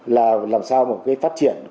là làm sao mà cái phát triển